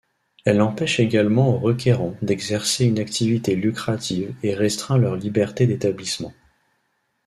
Elle empêche également aux requérants d'exercer une activité lucrative et restreint leur liberté d'établissement.